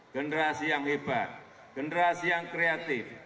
generasi yang hebat generasi yang kreatif